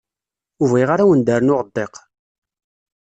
Ur bɣiɣ ara ad wen-d-rnuɣ ddiq.